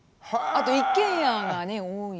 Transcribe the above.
あと一軒家がね多い。